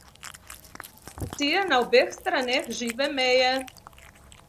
Sonce sije na obeh straneh žive meje.